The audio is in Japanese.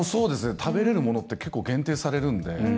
食べれるものって結構、限定されるので。